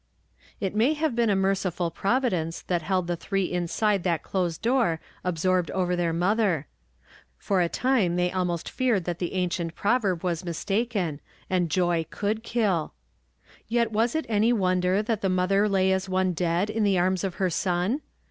It may have been a merciful Providence that held the three inside that closed door absorbed over their mother. For a time they almost feared that the ancient proverb was mistaken, and joy could kill. Yet was it any wonder that the mother lay as one dead in the arms of her son